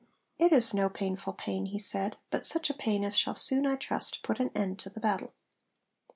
'It is no painful pain,' he said; 'but such a pain as shall soon, I trust, put an end to the battle.'